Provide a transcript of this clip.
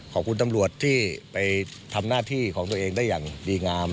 ขอบคุณตำรวจที่ไปทำหน้าที่ของตัวเองได้อย่างดีงาม